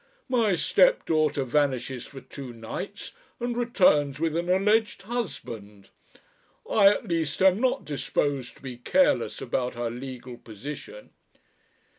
My stepdaughter vanishes for two nights and returns with an alleged husband. I at least am not disposed to be careless about her legal position."